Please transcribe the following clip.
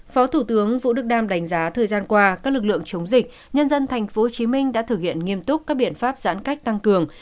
phó thủ tướng vũ đức đam đánh giá thời gian qua các lực lượng chống dịch nhân dân tp hcm đã thực hiện nghiêm túc các biện pháp giãn cách tăng cường